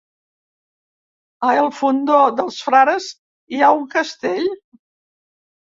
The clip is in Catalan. A el Fondó dels Frares hi ha un castell?